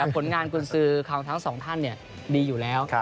ผลงานกลุ่นซื้อของทั้งสองท่านดีอยู่แล้ว